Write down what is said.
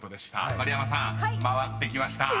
丸山さん回ってきました］